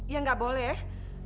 ya gak boleh